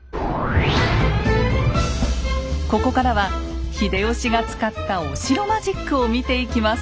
ここからは秀吉が使ったお城マジックを見ていきます。